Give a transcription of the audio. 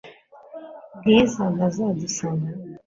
Bwiza ntazadusanga hano .